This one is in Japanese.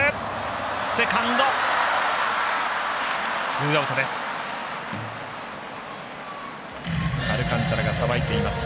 ツーアウトです。